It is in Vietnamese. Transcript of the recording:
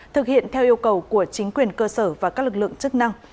thực hiện theo yêu cầu của chính quyền cơ sở và các lực lượng chức năng